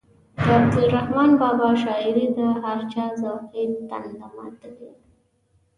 د عبدالرحمان بابا شاعري د هر چا ذوقي تنده ماتوي.